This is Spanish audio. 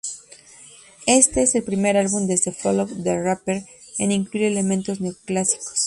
Este es el primer álbum desde Follow The Reaper en incluir elementos neoclásicos.